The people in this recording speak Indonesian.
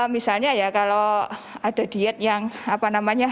misalnya ya kalau ada diet yang apa namanya